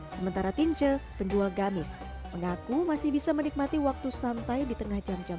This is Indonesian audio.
sementara tince penjual gamis mengaku masih bisa menikmati waktu santai di tengah jam jam